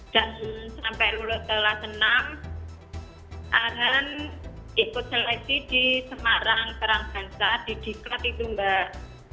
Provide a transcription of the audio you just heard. dan sampai lulus kelas enam arhan ikut selesai di semarang perangbansa di diklat itu mbak